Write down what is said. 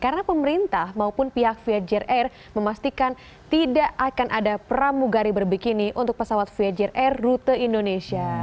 karena pemerintah maupun pihak vietjet air memastikan tidak akan ada pramugari berbikini untuk pesawat vietjet air rute indonesia